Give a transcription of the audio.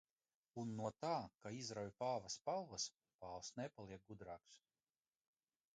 Un no tā, ka izrauj pāva spalvas, pāvs nepaliek gudrāks.